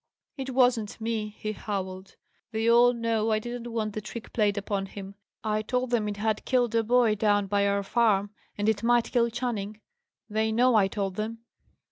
"It wasn't me," he howled. "They all know I didn't want the trick played upon him. I told them that it had killed a boy down by our farm, and it might kill Channing. They know I told them."